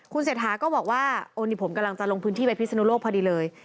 เศรษฐาก็บอกว่าโอ้นี่ผมกำลังจะลงพื้นที่ไปพิศนุโลกพอดีเลย